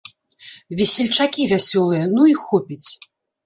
Весельчакі вясёлыя, ну і хопіць.